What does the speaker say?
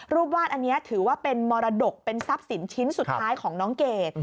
วาดอันนี้ถือว่าเป็นมรดกเป็นทรัพย์สินชิ้นสุดท้ายของน้องเกด